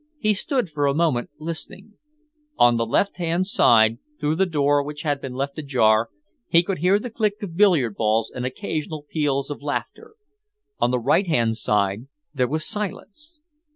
He stood for a moment listening. On the left hand side, through the door which had been left ajar, he could hear the click of billiard balls and occasional peals of laughter. On the right hand side there was silence.